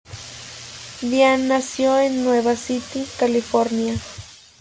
Diane nació en Nevada City, California.